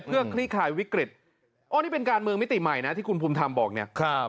เพื่อคลี่คลายวิกฤตอ๋อนี่เป็นการเมืองมิติใหม่นะที่คุณภูมิธรรมบอกเนี่ยครับ